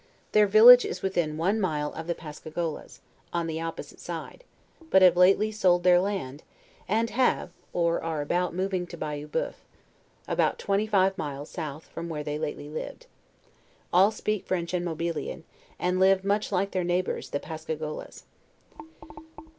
Their village is within one mile of the Pascagolas, on the opposite side; but have lately sold their land, and have, or are about moving to Bayou I>o3uf, about twenty five miles south from where they lately Jived. All speak French and Mobilian, and live much like their neighbors the Pasca golas.